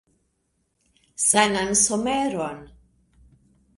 Sanan someron.